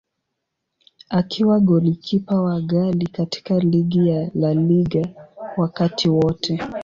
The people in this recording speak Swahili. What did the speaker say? Akiwa golikipa wa ghali katika ligi ya La Liga wakati wote.